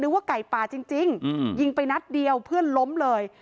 ว่าไก่ป่าจริงยิงไปนัดเดียวเพื่อนล้มเลย